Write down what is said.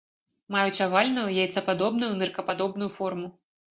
Маюць авальную, яйцападобную, ныркападобную форму.